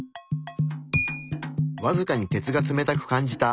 わずかに鉄が冷たく感じた。